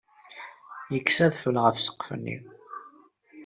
Yekkes adfel ɣef ssqef-nni.